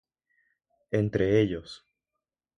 Entre ellos,